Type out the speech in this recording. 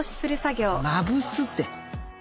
「まぶす」って！